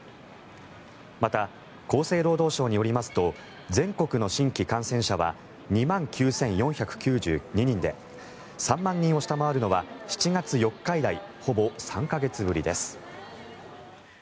また、厚生労働省によりますと全国の新規感染者は２万９４９２人で３万人を下回るのは７月４日以来ほぼ３か月ぶりです。